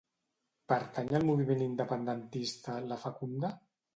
Pertany al moviment independentista la Facunda?